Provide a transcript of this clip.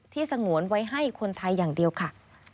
สงวนไว้ให้คนไทยอย่างเดียวค่ะ